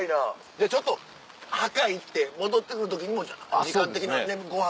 じゃあちょっと墓行って戻ってくる時に時間的にはねご飯